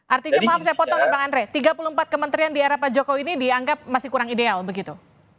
artinya maaf saya potong bang andre tiga puluh empat kementerian di era pak jokowi ini dianggap masih kurang ideal begitu